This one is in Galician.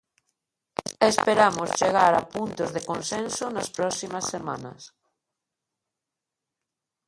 Esperamos chegar a puntos de consenso nas próximas semanas.